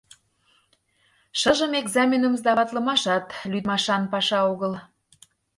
Шыжым экзаменым сдаватлымашат лӱдмашан паша огыл.